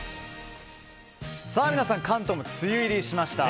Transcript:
皆さん関東も梅雨入りしました。